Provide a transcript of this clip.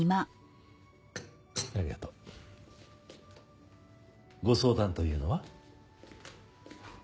ありがとう。ご相談というのは？